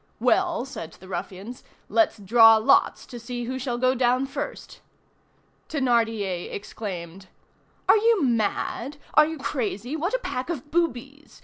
"Well," said the ruffians, "let's draw lots to see who shall go down first." Thénardier exclaimed:— "Are you mad! Are you crazy! What a pack of boobies!